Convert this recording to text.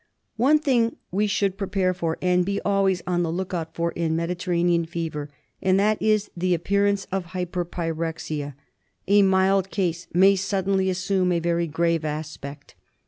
One thing we should prepare for and be always on the look out for in Mediterranean Fever, and that is the appearance of hyperpyrexia. A mild case may suddenly assume a very grave aspect.